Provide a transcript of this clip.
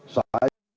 saya akan menerima